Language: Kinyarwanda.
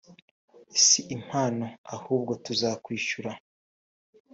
si impano ahubwo tuzakwishyura'